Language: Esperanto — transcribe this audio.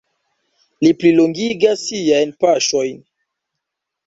Li plilongigas siajn paŝojn.